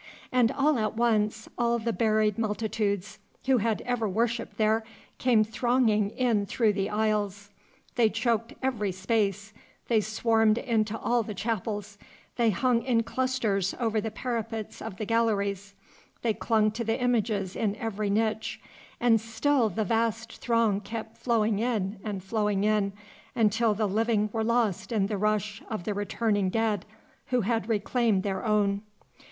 And all at once all the buried multitudes who had ever worshipped there came thronging in through the aisles. They choked every space, they swarmed into all the chapels, they hung in clusters over the parapets of the galleries, they clung to the images in every niche, and still the vast throng kept flowing and flowing in, until the living were lost in the rush of the returning dead who had reclaimed their own.